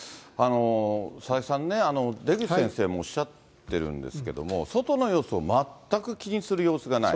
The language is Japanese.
佐々木さんね、出口先生もおっしゃってるんですけども、外の様子を全く気にする様子がない。